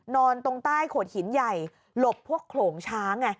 นอนตรงใต้โขดหินใหญ่หลบพวกโขลงช้างไง